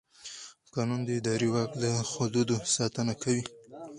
قانون د اداري واک د حدودو ساتنه کوي.